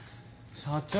社長！